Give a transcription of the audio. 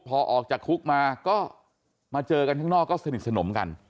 พอออกจากคุกมาก็มาเจอกันข้างนอกก็สนิทสนมกัน